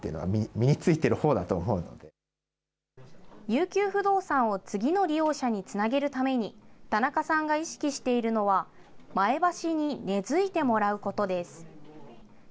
遊休不動産を次の利用者につなげるために、田中さんが意識しているのは、前橋に根づいてもらうことです。